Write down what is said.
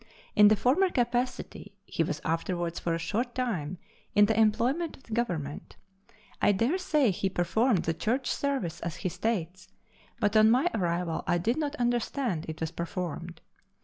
In the former capacity, he was afterwards for a short time in the employment of the Government. I dare say he performed the church service as he states, but on my arrival I did not understand it was performed.